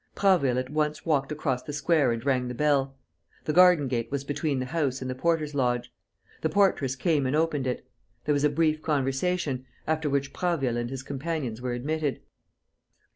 Prasville at once walked across the square and rang the bell. The garden gate was between the house and the porter's lodge. The portress came and opened it. There was a brief conversation, after which Prasville and his companions were admitted.